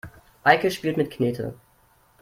Eike spielt mit Knete.